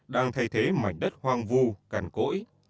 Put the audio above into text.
đang thay thế mảnh đất hoang vu càn cỗi